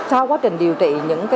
sau quá trình điều trị